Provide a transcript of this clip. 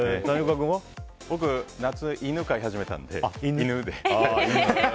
僕は夏、犬を飼い始めたので「犬」で。